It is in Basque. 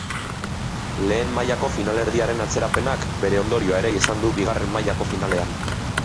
Lehen mailako finalerdiaren atzerapenak bere ondorioa ere izan du bigarren mailako finalean.